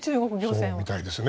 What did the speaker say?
そうみたいですね。